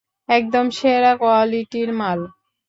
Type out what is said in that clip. একদম সেরা কোয়ালিটির মাল।